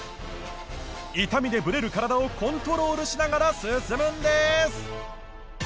痛みでブレる体をコントロールしながら進むんでーす！